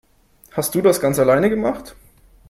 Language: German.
Hast du das ganz alleine gemacht?